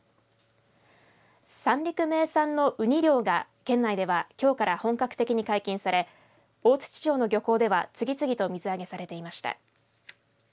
三陸名産のウニ漁が県内ではきょうから本格的に解禁され大槌町の漁港では次々と水揚げされていました。